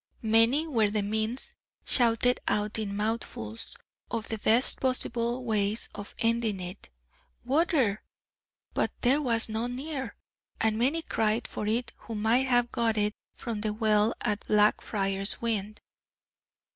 Many were the means shouted out in mouthfuls, of the best possible ways of ending it. "Water!" but there was none near, and many cried for it who might have got it from the well at Blackfriars Wynd.